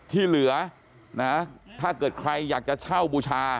ที่เหลือนะถ้าเกิดใครอยากจะเช่าบูชา